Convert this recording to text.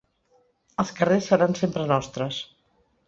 Els carrers seran sempre nostres